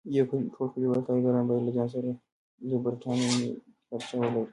ټول کلیوالي کارګران باید له ځان سره لیبرټا نومې کتابچه ولري.